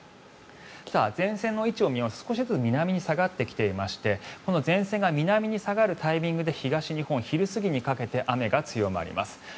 前線の位置を見ますと少しずつ南に下がってきていまして前線が南に下がるタイミングで東日本、昼過ぎにかけて雨が強まります。